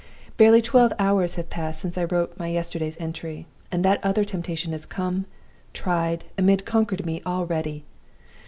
Barely twelve hours have passed since I wrote my yesterday's entry; and that other temptation has come, tried, and conquered me already!